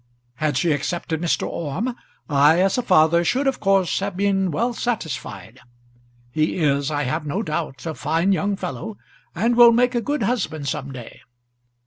Had she accepted Mr. Orme, I as a father should of course have been well satisfied. He is, I have no doubt, a fine young fellow, and will make a good husband some day."